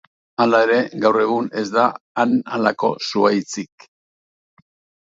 Hala ere, gaur egun ez da han halako zuhaitzik.